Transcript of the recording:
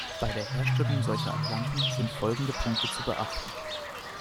Bei der Herstellung solcher Atlanten sind folgende Punkte zu beachten.